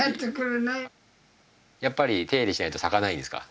やっぱり手入れしないと咲かないですか？